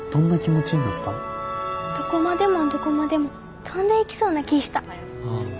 どこまでもどこまでも飛んでいきそうな気ぃした。